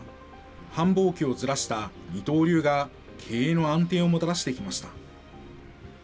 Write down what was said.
繁忙期をずらした二刀流が、経営の安定をもたらしてきました。